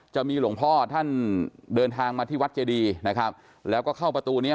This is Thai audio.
จะมีหลวงพ่อท่านเดินทางมาที่วัดเจดีนะครับแล้วก็เข้าประตูเนี้ย